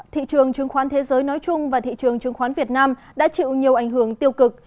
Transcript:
thị trường chứng khoán thế giới nói chung và thị trường chứng khoán việt nam đã chịu nhiều ảnh hưởng tiêu cực